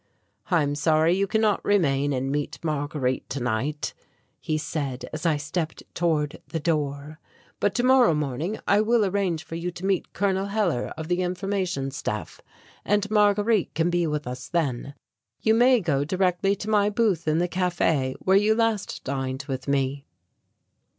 "I am sorry you cannot remain and meet Marguerite tonight," he said as I stepped toward the door. "But tomorrow evening I will arrange for you to meet Colonel Hellar of the Information Staff, and Marguerite can be with us then. You may go directly to my booth in the café where you last dined with me."